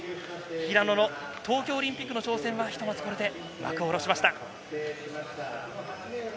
平野の東京オリンピックの挑戦はひとまずこれで幕を下ろしました。